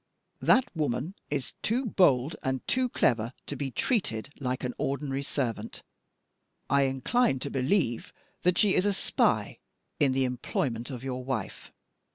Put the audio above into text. That woman is too bold and too clever to be treated like an ordinary servant I incline to believe that she is a spy in the employment of your wife.